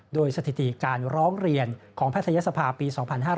โดยสถิติการร้องเรียนของแพทยศภาปี๒๕๕๙